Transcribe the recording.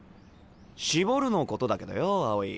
「絞る」のことだけどよ青井。